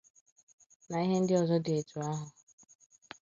na ihe ndị ọzọ dị etu ahụ